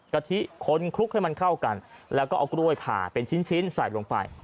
กะทิคนคลุกให้มันเข้ากันแล้วก็เอากล้วยผ่าเป็นชิ้นใส่ลงไป